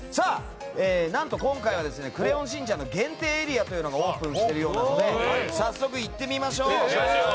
今回は「クレヨンしんちゃん」の限定エリアがオープンしているようなので早速行ってみましょう！